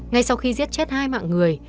ngay sau khi giết chết hai mạng người